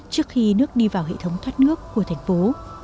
trước khi nước đi vào hệ thống thoát nước của thành phố